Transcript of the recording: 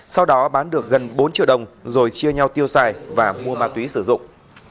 sau đó bán được gần bốn triệu đồng rồi chia nhau tiêu xài và mua ma túy sử dụng